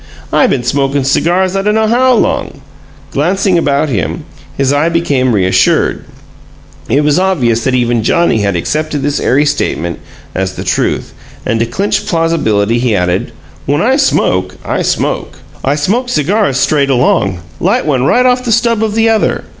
I been smokin' cigars I dunno how long!" Glancing about him, his eye became reassured; it was obvious that even Johnnie had accepted this airy statement as the truth, and to clinch plausibility he added: "When I smoke, I smoke! I smoke cigars straight along light one right on the stub of the other.